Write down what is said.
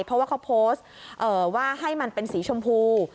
เพราะว่าเขาโพสต์ว่าให้มันเป็นสีชมพู